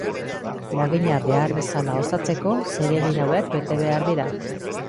Lagina behar bezala osatzeko zeregin hauek bete behar dira.